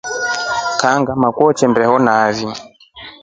Kangama kwete mbeho nai.